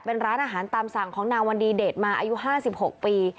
เป็นร้านอาหารตามสั่งของนางวันดีเดชมาอายุ๕๖ปี